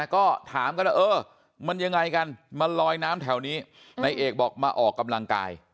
ก็ถามกันว่าเออมันยังไงกันมาลอยน้ำแถวนี้นายเอกบอกมาออกกำลังกาย